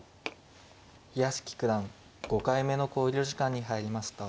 屋敷九段５回目の考慮時間に入りました。